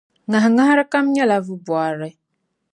Ŋahiŋahara kam nyɛla vubɔrili.